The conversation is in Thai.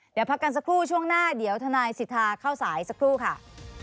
เดี๋ยวพักกันสักครู่ช่วงหน้าเดี๋ยวทนายสิทธาเข้าสายสักครู่ค่ะ